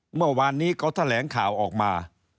เมื่อวานนี้เขาแถลงข่าวออกมา